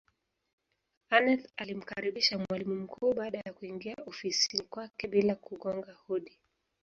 aneth alimkaribisha mwalimu mkuu baada ya kuingia ofisini kwake bila kugonga hodi